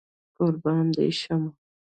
قربان دي شمه